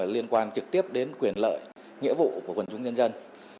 liên quan trực tiếp đến quyền lợi nghĩa vụ của quần chúng nhân dân